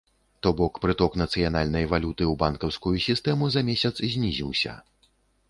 То бок прыток нацыянальнай валюты ў банкаўскую сістэму за месяц знізіўся.